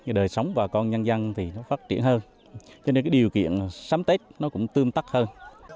như đời sống và con nhân dân thì nó phát triển hơn cho nên cái điều kiện sắm tết nó cũng tươm tắc hơn